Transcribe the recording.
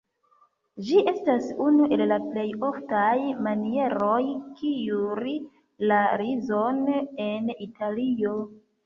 Ĝi estas unu el la plej oftaj manieroj kuiri la rizon en Italio.